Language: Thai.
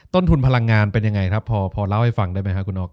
ต้นทุนพลังงานเป็นยังไงครับพอเล่าให้ฟังได้ไหมครับคุณอ๊อ